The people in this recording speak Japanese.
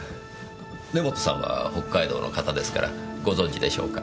根元さんは北海道の方ですからご存知でしょうか？